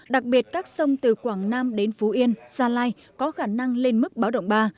đặc biệt các sông từ quảng nam đến phú yên gia lai có khả năng lên mức báo động ba